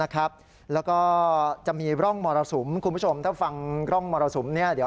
แล้วก็จะมีร่องมรสุมคุณผู้ชมถ้าฟังร่องมรสุมเดี๋ยว